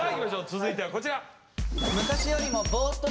続いてはこちら。